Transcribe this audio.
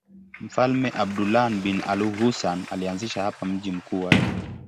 Mfalme Abdullah bin al-Husayn alianzisha hapa mji mkuu wake.